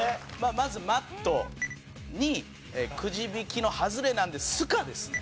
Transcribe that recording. まず「マット」にくじ引きの外れなので「スカ」ですね。